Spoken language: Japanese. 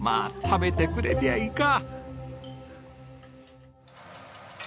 食べてくれりゃいいか。